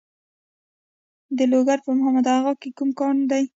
د لوګر په محمد اغه کې کوم کان دی؟